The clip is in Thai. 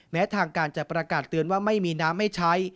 แม้ทางการจะประกาศเตือนว่าไม่มีน้ำไม่ใช้